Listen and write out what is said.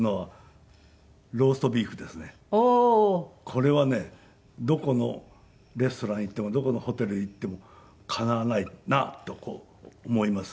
これはねどこのレストラン行ってもどこのホテルへ行ってもかなわないなと思います。